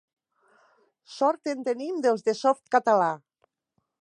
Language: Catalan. Sort en tenim dels de Softcatalà.